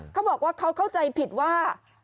เขาบอกว่าเขาเข้าใจผิดว่า